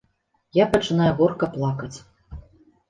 Я пачынаю горка плакаць.